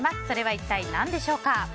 それは一体何でしょう。